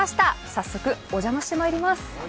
早速お邪魔してまいります。